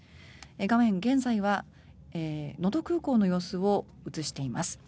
画面、現在は能登空港の様子を映しています。